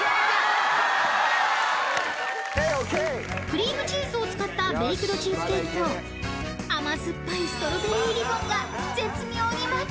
［クリームチーズを使ったベイクドチーズケーキと甘酸っぱいストロベリーリボンが絶妙にマッチ］